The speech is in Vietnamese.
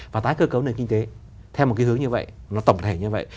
và tái cơ cấu nền kinh tế theo một cái hướng như vậy nó tổng thể như vậy